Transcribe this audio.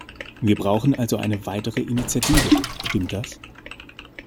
Wir brauchen also eine weitere Initiative, stimmt das?